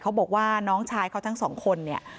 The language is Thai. เขาบอกว่าน้องชายเขาทั้งสองคนเนี่ย